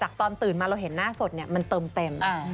ตอนตื่นมาเราเห็นหน้าสดมันเติมเต็ม